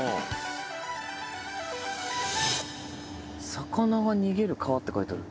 「魚が逃げる川」って書いてある。